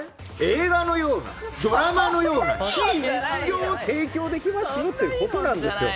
映画のような、ドラマのような非日常を提供できますよということなんですよ。